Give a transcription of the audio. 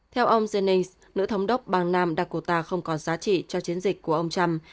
theo ông jennings nữ thống đốc bang nam dakota không còn giá trị cho chiến dịch của ông trump